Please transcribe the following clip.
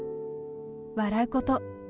笑うこと。